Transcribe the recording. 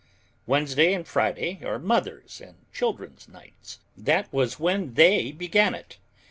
Wednesday and Friday are mothers' and children's nights. That was when they began it.